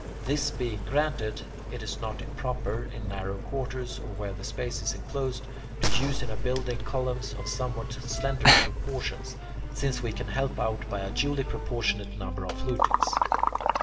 This being granted, it is not improper, in narrow quarters or where the space is enclosed, to use in a building columns of somewhat slender proportions, since we can help out by a duly proportionate number of flutings.